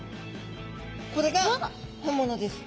これが本物です。